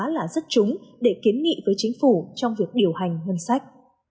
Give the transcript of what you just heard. là rất trúng để kiến nghị với chính phủ trong việc điều hành ngân sách